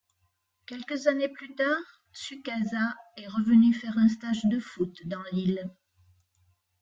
Quelques années plus tard, Tsukasa est revenu faire un stage de foot dans l'île.